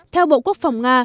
theo bộ quốc phòng nga